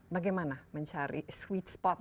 bagaimana mencari sweet spot